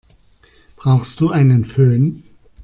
Brauchst du einen Fön?